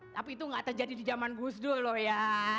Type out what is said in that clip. tapi itu nggak terjadi di zaman gus dur loh ya